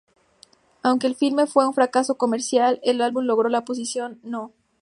Aunque el filme fue un fracaso comercial, el álbum logró la posición No.